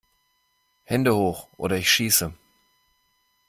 Hände Hoch oder ich Schieße!